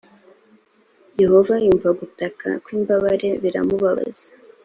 yehova yumva gutakwa kw ‘imbabare biramubabaza.